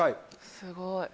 すごい。